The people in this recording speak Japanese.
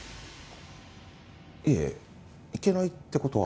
いえいけないって事は。